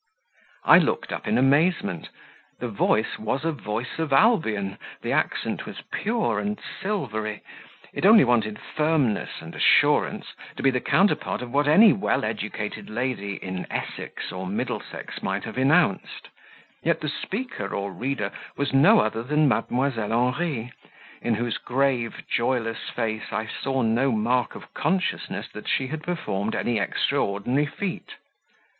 I looked up in amazement; the voice was a voice of Albion; the accent was pure and silvery; it only wanted firmness, and assurance, to be the counterpart of what any well educated lady in Essex or Middlesex might have enounced, yet the speaker or reader was no other than Mdlle. Henri, in whose grave, joyless face I saw no mark of consciousness that she had performed any extraordinary feat.